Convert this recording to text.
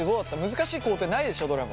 難しい工程ないでしょどれも。